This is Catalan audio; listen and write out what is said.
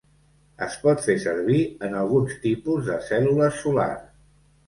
Es pot fer servir en alguns tipus de cèl·lules solars.